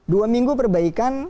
dua minggu perbaikan